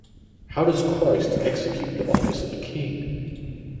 How does Christ execute the office of a king?